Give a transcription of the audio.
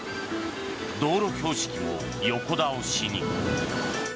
道路標識も横倒しに。